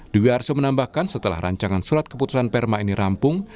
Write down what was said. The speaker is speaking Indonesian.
dwi arso menambahkan setelah rancangan surat keputusan perma ini rampung